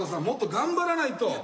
もっと頑張らないと。